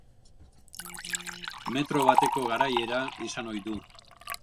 Metro bateko garaiera izan ohi du.